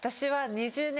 ２０年！